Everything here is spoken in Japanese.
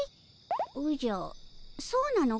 おじゃそうなのかの。